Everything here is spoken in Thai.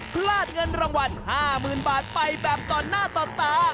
พลาดเงินรางวัล๕๐๐๐บาทไปแบบต่อหน้าต่อตา